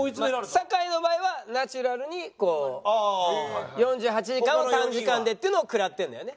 酒井の場合はナチュラルにこう４８時間を短時間でっていうのを食らってるんだよね。